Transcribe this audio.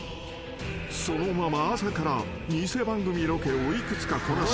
［そのまま朝から偽番組ロケを幾つかこなし